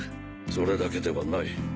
それだけではない。